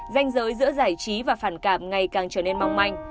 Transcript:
danh giới giữa giải trí và phản cảm ngày càng trở nên mong manh